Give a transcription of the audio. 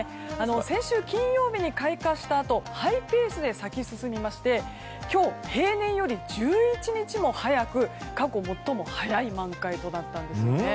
先週金曜日に開花したあとハイペースで咲き進みまして今日、平年より１１日も早く過去最も早い満開となったんですよね。